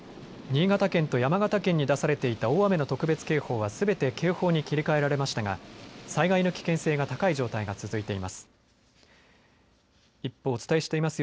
新潟県と山形県に出されていた大雨の特別警報はすべて警報に切り替えられましたが災害の危険性が高い状態が続いています。